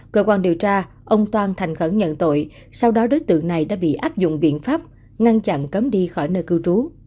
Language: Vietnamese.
cơ quan điều tra ông toan thành khẩn nhận tội sau đó đối tượng này đã bị áp dụng biện pháp ngăn chặn cấm đi khỏi nơi cư trú